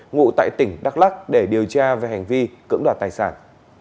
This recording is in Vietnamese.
ngụ tại tỉnh đắk lắc để điều tra về hành vi cưỡng đoạt tài sản